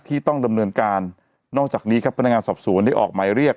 ที่ต้องดำเนินการนอกจากนี้ครับพนักงานสอบสวนได้ออกหมายเรียก